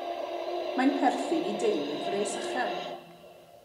Mae'n perthyn i deulu'r fresychen.